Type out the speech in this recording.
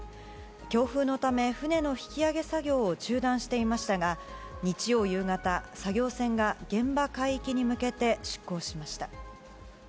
強風のため、船の引き揚げ作業を中断していましたが、日曜夕方、作業船が現場海域に向けて出港しました。